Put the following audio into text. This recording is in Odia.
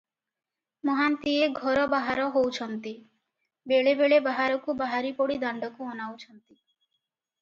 ମହାନ୍ତିଏ ଘର ବାହାର ହଉଛନ୍ତି, ବେଳେ ବେଳେ ବାହାରକୁ ବାହାରି ପଡ଼ି ଦାଣ୍ଡକୁ ଅନାଉଛନ୍ତି ।